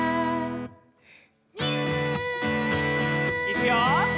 いくよ。